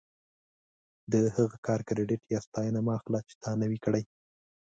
د هغه کار کریډیټ یا ستاینه مه اخله چې تا نه وي کړی.